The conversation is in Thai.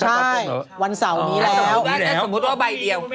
ใช่วันเสาร์มีแล้ว